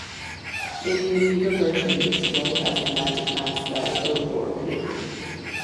In the Amiga version, this scroll has the magic map spell "Oh Gor Ku".